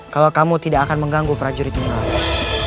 kalau kamu tidak akan mengganggu prajurit prajurit